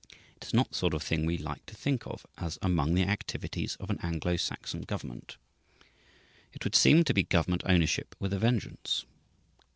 It is not the sort of a thing we like to think of as among the activities of an Anglo Saxon government. It would seem to be government ownership with a vengeance.